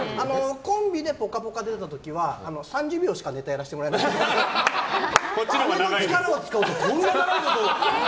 コンビで「ぽかぽか」に出た時は３０秒しかネタやらせてもらえなかったけど姉の力を使うとこんなに長いこと。